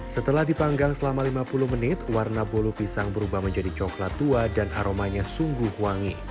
setelah dipanggang selama lima puluh menit warna bolu pisang berubah menjadi coklat tua dan aromanya sungguh wangi